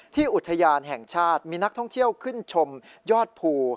อุทยานแห่งชาติมีนักท่องเที่ยวขึ้นชมยอดภู